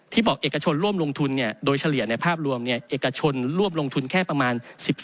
บอกเอกชนร่วมลงทุนโดยเฉลี่ยในภาพรวมเอกชนร่วมลงทุนแค่ประมาณ๑๓